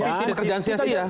tapi pekerjaan sia sia